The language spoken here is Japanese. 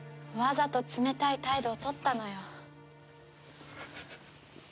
わざと冷たい態度を取ったのよ。